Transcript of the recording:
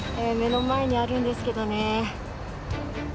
目の前にあるんですけれどもね。